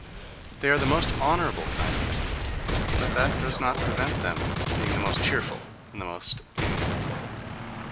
—They are the most honourable kind of men: but that does not prevent them being the most cheerful and most amiable.